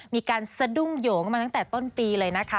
มีการสะดุ้งโยงกันมาตั้งแต่ต้นปีเลยนะคะ